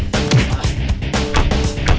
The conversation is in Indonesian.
kau harus hafal penuh ya